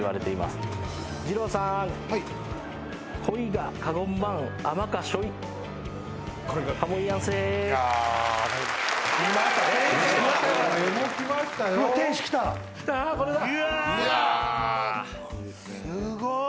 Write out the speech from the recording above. すごい！